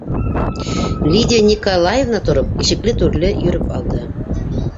- Лидия Никозаевна тороп, ишекле-түрле йөрөп алды.